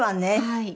はい。